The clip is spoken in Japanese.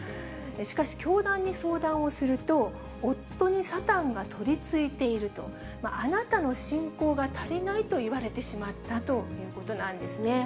しかし、教団に相談をすると、夫にサタンが取りついていると、あなたの信仰が足りないと言われてしまったということなんですね。